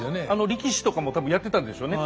力士とかも多分やってたんでしょうね。